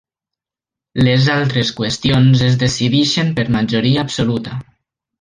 Les altres qüestions es decideixen per majoria absoluta.